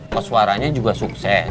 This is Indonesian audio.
pak suaranya juga sukses